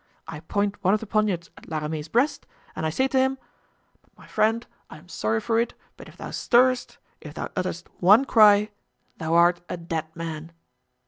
I point one of the poniards at La Ramee's breast and I say to him, 'My friend, I am sorry for it, but if thou stirrest, if thou utterest one cry, thou art a dead man!